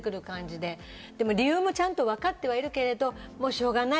でも理由もちゃんと分かってはいるけどしょうがない。